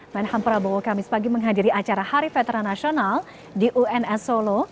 menhan prabowo kamis pagi menghadiri acara hari veteran nasional di uns solo